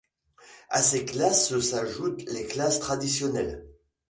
À ces classes s'ajoutent les classes traditionnelles.